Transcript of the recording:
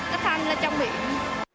nó thanh lên trong miệng